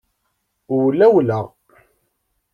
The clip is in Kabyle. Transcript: Wlawleɣ.